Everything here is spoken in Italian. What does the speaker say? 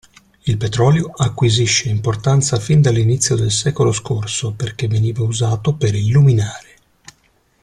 Il petrolio acquisisce importanza fin dall'inizio del secolo scorso perché veniva usato per illuminare.